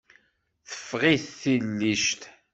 Teffeɣ-it tillict.